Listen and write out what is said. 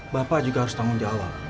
bapak juga harus tanggung jawab